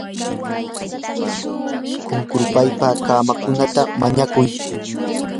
qunqurpaypa kamakuqta mañakuy.